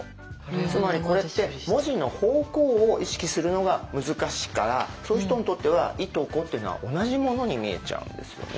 つまりこれって文字の方向を意識するのが難しいからそういう人にとっては「い」と「こ」っていうのは同じものに見えちゃうんですよね。